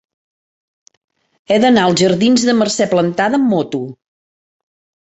He d'anar als jardins de Mercè Plantada amb moto.